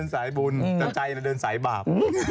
แต่ใจยันเดินสายบาป